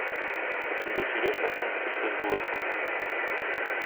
Бөтенләй сөйләшмәсәң, телсез булырсың.